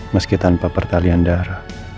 meski tanpa pertalian darah